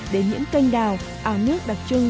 đến những canh đào áo nước đặc trưng